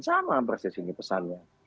sama persis ini pesannya